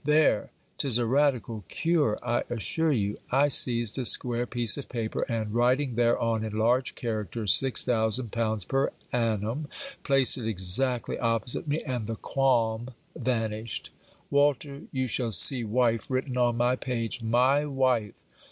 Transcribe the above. There! 'tis a radical cure, I assure you. I seized a square piece of paper; and, writing thereon in large characters 6000l. per annum, placed it exactly opposite me, and the qualm vanished. Walter, you shall see wife written on my page _my wife!